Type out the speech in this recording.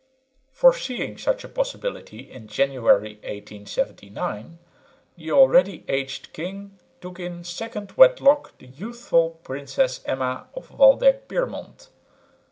Foreseeing such a possibility in January, 1879, the already aged king took in second wedlock the youthful Princess Emma of Waldeck Pyrmont.